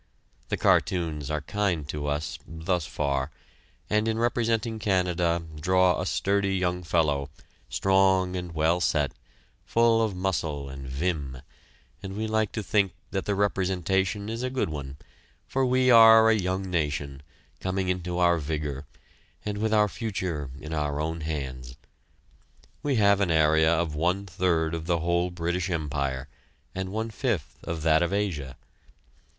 The cartoons are kind to us thus far and in representing Canada, draw a sturdy young fellow, strong and well set, full of muscle and vim, and we like to think that the representation is a good one, for we are a young nation, coming into our vigor, and with our future in our own hands. We have an area of one third of the whole British Empire, and one fifth of that of Asia.